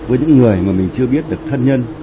với những người mà mình chưa biết được thân nhân